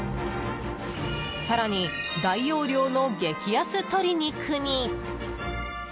更に、大容量の激安鶏肉に。